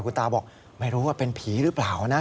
คุณตาบอกไม่รู้ว่าเป็นผีหรือเปล่านะ